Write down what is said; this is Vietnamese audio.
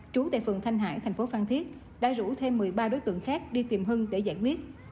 trú tại phường thanh hải thành phố phan thiết đã rủ thêm một mươi ba đối tượng khác đi tìm hưng để giải quyết